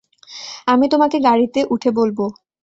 আমি তোমাকে গাড়িতে উঠে বলব।